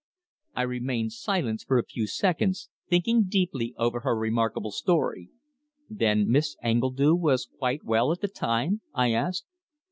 I remained silent for a few seconds, thinking deeply over her remarkable story. "Then Miss Engledue was quite well at the time?" I asked.